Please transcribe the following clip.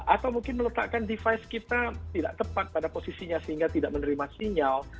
atau mungkin meletakkan device kita tidak tepat pada posisinya sehingga tidak menerima sinyal